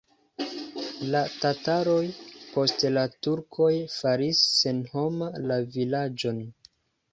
La tataroj, poste la turkoj faris senhoma la vilaĝon.